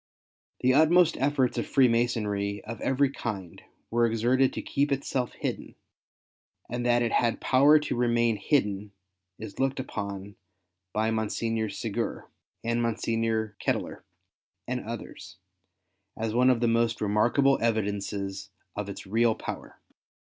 The utmost efforts of Freemasonry of every kind were exerted to keep itself hidden, and that it had power to remain hidden is looked upon by Monsignor Segur, and Mon signor Ketteler, and others, as one of the most remarkable evidences of its real power.